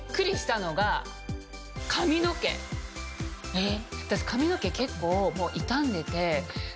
えっ？